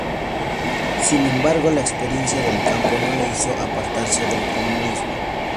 Sin embargo, la experiencia del campo no le hizo apartarse del comunismo.